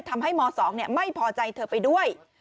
ทำให้ม๒ไม่ปอใจคุณได้ไปด้วย